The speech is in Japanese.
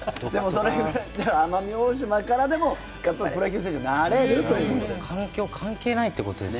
奄美大島からでもプロ野球選手になれるということです。